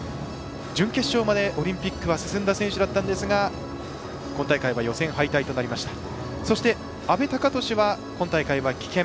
準決勝までオリンピックは進んだ選手だったんですが今大会は予選敗退となりましたがそして、安部孝駿は今大会は棄権。